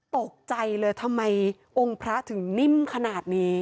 ตกใจเลยทำไมองค์พระถึงนิ่มขนาดนี้